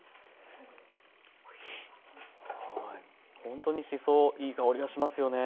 ほんとにしそいい香りがしますよね。